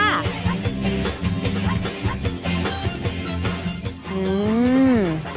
อืม